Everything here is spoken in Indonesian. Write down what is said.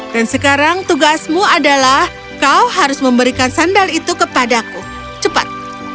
dan sekarang tugasmu adalah kau harus memberikan sandal itu kepadaku cepat